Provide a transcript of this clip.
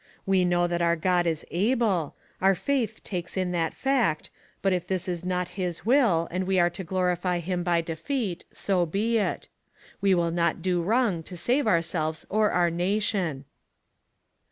We know that our God is able; our faith takes in that fact, but if this is not his will, and we are to glorify him by defeat, so be it ; we will not do wrong to save ourselves or our nation."